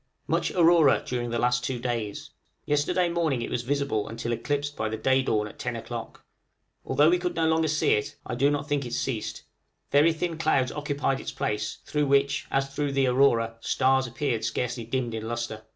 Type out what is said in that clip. Much aurora during the last two days. Yesterday morning it was visible until eclipsed by the day dawn at 10 o'clock. Although we could no longer see it, I do not think it ceased: very thin clouds occupied its place, through which, as through the aurora, stars appeared scarcely dimmed in lustre.